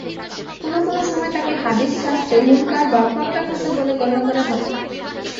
কোন কোন সময় তাকে হাদীস শাস্ত্রে মুনকার বা প্রত্যাখ্যাত বলে গণ্য করা হয়।